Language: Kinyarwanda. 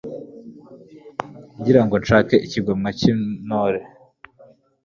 ngira ngo nshake ikigomwa cyintore